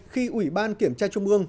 khi ủy ban kiểm tra trung ương